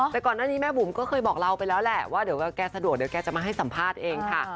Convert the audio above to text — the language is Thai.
แต่ก่อนหน้านี้แม่บุ๋มก็เคยบอกเราไปแล้วแหละว่าเดี๋ยวแกสะดวกเดี๋ยวแกจะมาให้สัมภาษณ์เองค่ะ